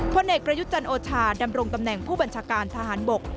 เอกประยุทธ์จันโอชาดำรงตำแหน่งผู้บัญชาการทหารบก